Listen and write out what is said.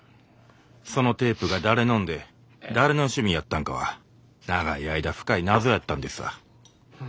そのテープが誰のんで誰の趣味やったんかは長い間深い謎やったんですわ。